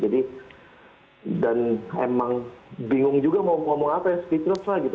dan memang bingung juga mau ngomong apa ya speechless lah